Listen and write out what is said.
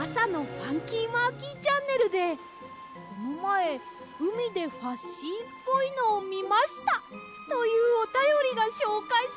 「ファンキーマーキーチャンネル」で「このまえうみでファッシーっぽいのをみました」というおたよりがしょうかいされて。